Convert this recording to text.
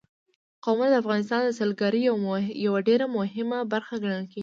قومونه د افغانستان د سیلګرۍ یوه ډېره مهمه برخه ګڼل کېږي.